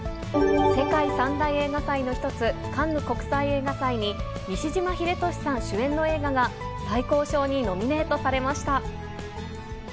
世界三大映画祭の一つ、カンヌ国際映画祭に、西島秀俊さん主演の映画が最高賞にノミネートされました。